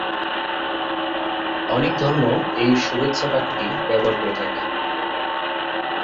অনেক ধর্ম এই শুভেচ্ছা বাক্যটি ব্যবহার করে থাকে।